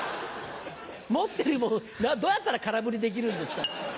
持ってる物どうやったら空振りできるんですか。